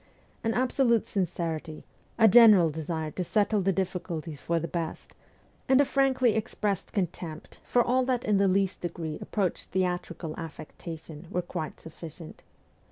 An absolute sincerity, a general desire to settle the difficulties for the best, and a frankly expressed contempt for all that in the least degree approached theatrical affectation were quite sufficient.